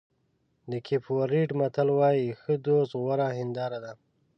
د کېپ ورېډ متل وایي ښه دوست غوره هنداره ده.